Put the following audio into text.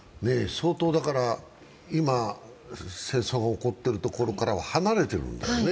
相当、今、戦争が起こっている所からは離れているんだよね。